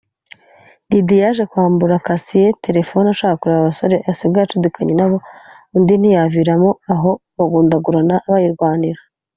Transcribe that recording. Diddy yaje kwambura Cassie telefone ashaka kureba abasore asigaye acudikanye na bo undi ntiyaviramo aho bagundagurana bayirwanira